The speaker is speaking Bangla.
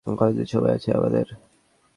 কতদিন সময় আছে আমাদের?